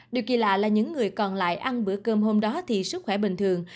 điều kỳ lạ là những người còn lại ăn bữa cơm hôm đó thì sức khỏe bình thường